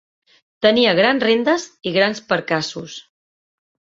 Tenia grans rendes i grans percaços.